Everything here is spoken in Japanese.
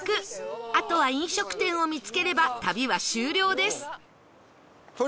あとは飲食店を見つければ旅は終了です